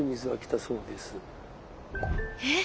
えっ！